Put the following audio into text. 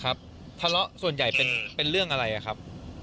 ทะเลาะส่วนใหญ่เป็นเรื่องอะไรครับ